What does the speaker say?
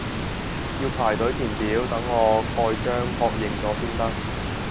要排隊填表等我蓋章確認咗先得